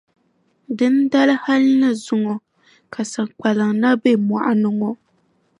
Dindali hali ni zuŋɔ ka Saŋkpaliŋ na be mɔɣu ni ŋɔ.